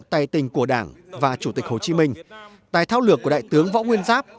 tài tình của đảng và chủ tịch hồ chí minh tài thao lược của đại tướng võ nguyên giáp